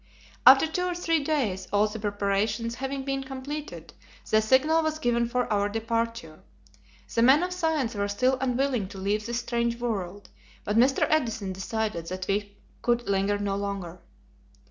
After two or three days all the preparations having been completed, the signal was given for our departure. The men of science were still unwilling to leave this strange world, but Mr. Edison decided that we could linger no longer.